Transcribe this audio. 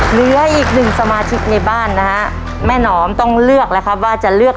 เหลืออีกหนึ่งสมาชิกในบ้านนะฮะแม่หนอมต้องเลือกแล้วครับว่าจะเลือก